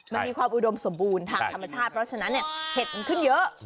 มันมีความอุดมสมบูรณ์ทางธรรมชาติเพราะฉะนั้นเนี่ยเห็ดมันขึ้นเยอะ